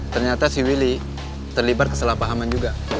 ternyata si willy terlibat kesalahpahaman juga